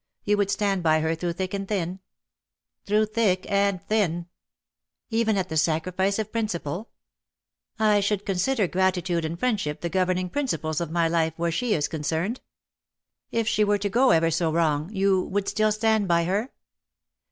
You would stand by her through thick and thin T' '' Through thick and thin/' " Even at the sacrifice of principle V^ " I should consider gratitude and friendship the governing principles of my life where she is con cerned." ^^If she were to go ever so wrongs you would still stand by her